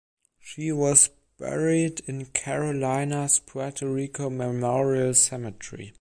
She was buried in Carolina's Puerto Rico Memorial Cemetery.